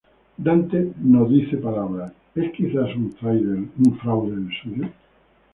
Dante no dice palabra, ¿es quizás un fraude el suyo?